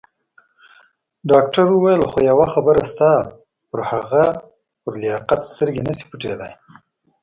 ډاکټر وویل: خو یوه خبره شته، پر هغه پر لیاقت سترګې نه شي پټېدای.